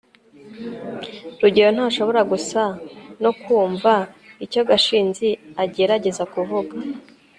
rugeyo ntashobora gusa no kumva icyo gashinzi agerageza kuvuga